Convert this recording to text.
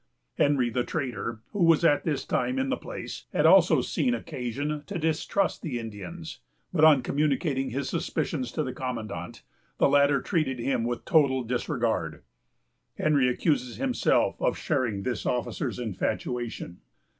Henry, the trader, who was at this time in the place, had also seen occasion to distrust the Indians; but on communicating his suspicions to the commandant, the latter treated them with total disregard. Henry accuses himself of sharing this officer's infatuation.